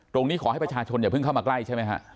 ตรงนี้ขอให้ประชาชนอย่าเพิ่งเข้ามาใกล้ใช่ไหมฮะ